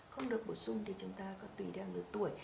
không được bổ sung thì chúng ta có tùy theo người tuổi